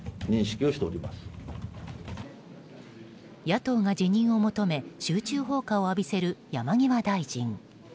野党が辞任を求め集中砲火を浴びせる山際大臣。